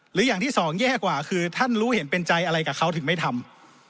หรืออย่างที่สองแย่กว่าคือท่านรู้เห็นเป็นใจอะไรกับเขาถึงไม่ทำ